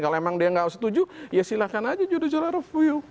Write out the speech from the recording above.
kalau memang dia tidak setuju ya silakan saja judul jualan review